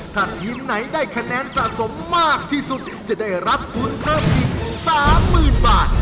ถ้าทีมไหนได้คะแนนสะสมมากที่สุดจะได้รับทุนเพิ่มอีก๓๐๐๐บาท